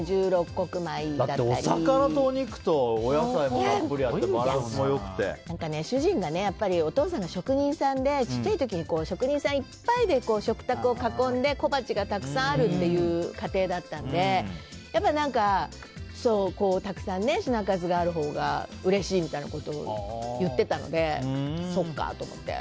１６穀米だったりだってお魚とお肉とお野菜もたっぷりあって主人のお父さんが職人さんで小さい時に職人さんがいっぱいで食卓を囲んで小鉢がたくさんあるという家庭だったのでたくさん品数があるほうがうれしいみたいなことを言ってたのでそっかと思って。